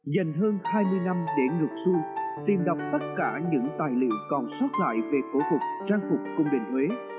dành hơn hai mươi năm để ngược xu tìm đọc tất cả những tài liệu còn xuất lại về phổ phục trang phục công đền huế